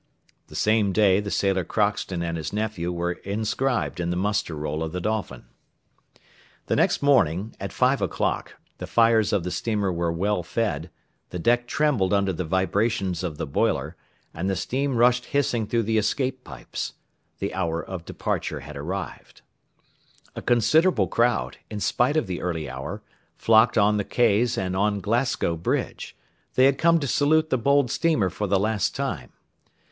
The same day the sailor Crockston and his nephew were inscribed in the muster roll of the Dolphin. The next morning, at five o'clock, the fires of the steamer were well fed, the deck trembled under the vibrations of the boiler, and the steam rushed hissing through the escape pipes. The hour of departure had arrived. A considerable crowd, in spite of the early hour, flocked on the quays and on Glasgow Bridge; they had come to salute the bold steamer for the last time.